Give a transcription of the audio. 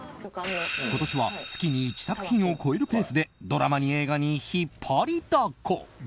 今年は月に１作品を超えるペースでドラマに映画に引っ張りだこ。